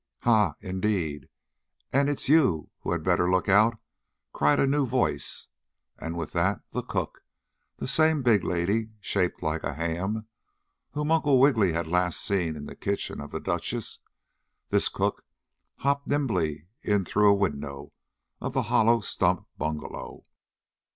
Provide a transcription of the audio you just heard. "Ha! Indeed! And it's you who had better look out!" cried a new voice. And with that the cook the same big lady, shaped like a ham, whom Uncle Wiggily had last seen in the kitchen of the Duchess this cook hopped nimbly in through a window of the hollow stump bungalow.